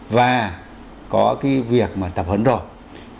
và có cái việc mà tập hấn rồi